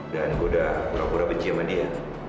dan gue udah pura pura benci sama dia